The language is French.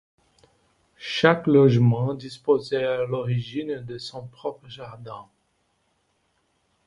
Chaque logement disposait à l'origine de son propre jardin.